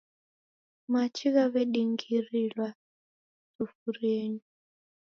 Machi ghaw'edingirilwa sufurienyi.